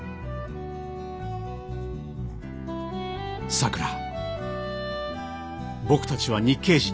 「さくら僕たちは日系人だ。